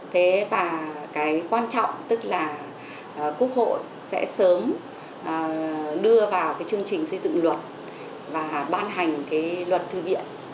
thế và cái quan trọng tức là quốc hội sẽ sớm đưa vào cái chương trình xây dựng luật và ban hành cái luật thư viện